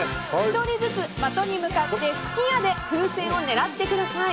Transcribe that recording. １人ずつ的に向かって吹き矢で風船を狙ってください。